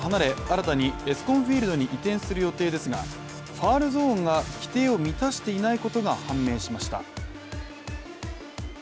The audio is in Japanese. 新たにエスコンフィールドに移転する予定ですが、ファウルゾーンが規定を満たしていないことが判明しました。